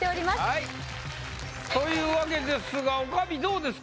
はいというわけですがどうですか？